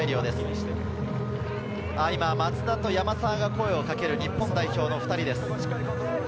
松田と山沢が声をかける日本代表の２人です。